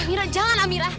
amira jangan amira